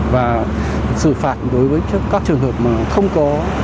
và xử phạt đối với các trường hợp mà không có